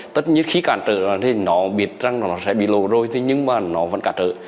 tất nhiên khi cản trở thì nó biết rằng nó sẽ bị lộ rồi thì nhưng mà nó vẫn cản trở